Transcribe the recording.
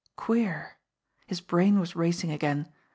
Queer! His brain was racing again.